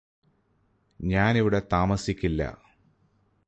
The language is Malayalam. ഞാനിവിടെ താമസിക്കില്ലാ